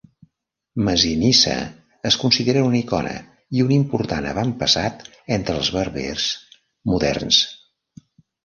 Masinissa es considera una icona i un important avantpassat entre els berbers moderns.